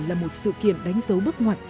là một sự kiện đánh dấu bất ngoặt